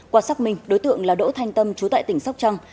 qua xác minh đối tượng là đỗ thanh tâm trú tại tỉnh sóc trăng